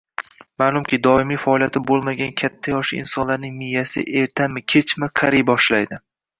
Maʼlumki, doimiy faoliyati boʻlmagan katta yoshli insonlarning miyasi ertami-kechmi qariy boshlaydi.